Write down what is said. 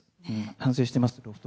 反省しています。